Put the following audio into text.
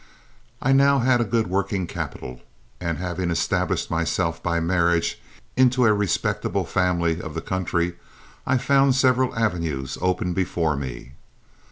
I now had a good working capital, and having established myself by marriage into a respectable family of the country, I found several avenues open before me.